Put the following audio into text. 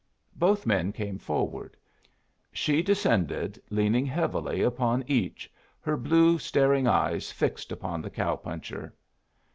Both men came forward. She descended, leaning heavily upon each, her blue staring eyes fixed upon the cow puncher.